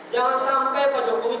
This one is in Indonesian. jangan sampai pak jokowi